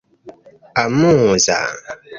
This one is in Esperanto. amuza